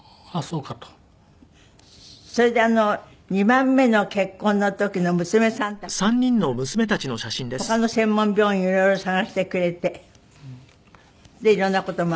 それで２番目の結婚の時の娘さんたちが他の専門病院を色々探してくれてで色んな事をまあ。